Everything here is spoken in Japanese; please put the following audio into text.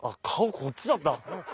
こっちだった。